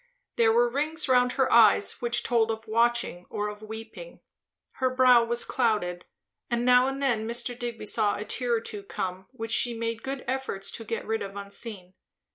There were rings round her eyes, which told of watching or of weeping; her brow was clouded; and now and then Mr. Digby saw a tear or two come which she made good efforts to get rid of unseen.